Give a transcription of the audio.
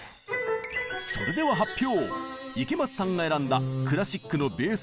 それでは発表！